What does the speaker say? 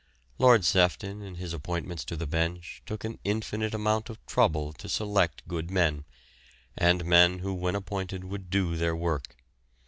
Lord Sefton in his appointments to the bench, took an infinite amount of trouble to select good men, and men who when appointed would do their work.